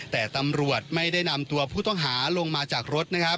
แต่ตำรวจไม่ได้นำตัวผู้ต้องหาลงมาจากรถนะครับ